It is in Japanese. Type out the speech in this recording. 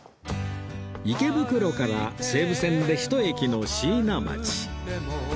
池袋から西武線で１駅の椎名町